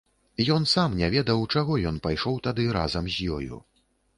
Ён сам не ведаў, чаго ён пайшоў тады разам з ёю.